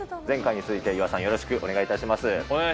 前回に続いて、岩井さん、お願いします。